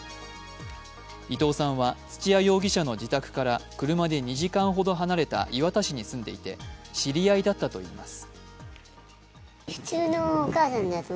伊藤さんは土屋容疑者の自宅から車で２時間ほど離れた磐田市に住んでいて、知り合いだったといいます。